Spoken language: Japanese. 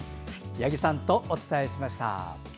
八木さんとお伝えしました。